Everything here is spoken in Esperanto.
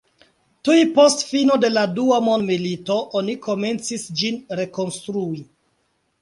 Tuj post fino de la dua mondmilito oni komencis ĝin rekonstrui.